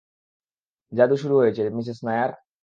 জাদু শুরু হয়েছে, মিসেস নায়ার!